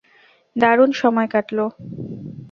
দারুণ সময় কাটলো।